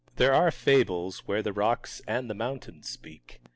There are fables where the rocks and the mountains speak.